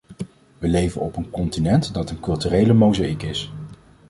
Wij leven op een continent dat een culturele mozaïek is.